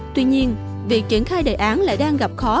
tuy nhiên việc triển khai đề án lại đang gặp khó